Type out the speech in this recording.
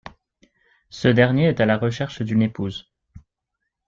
Ce dernier est à la recherche d'une épouse.